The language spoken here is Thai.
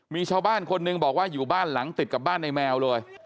มีชาวบ้านคนหนึ่งบอกว่าอยู่บ้านหลังติดกับบ้านในแมวเลย